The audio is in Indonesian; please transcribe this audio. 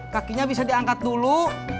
kakinya bisa diangkat dulu